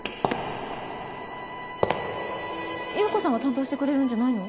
洋子さんが担当してくれるんじゃないの？